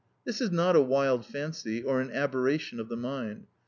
This is not a wild fancy or an aberration of the mind.